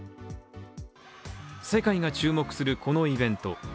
世界が注目するこのイベント。